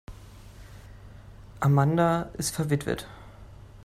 Amanda ist verwitwet.